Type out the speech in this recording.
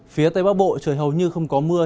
phía tây bắc bộ trời hầu như không có mưa